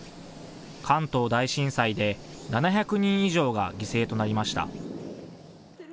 関東大震災で７００人以上が犠牲となりました。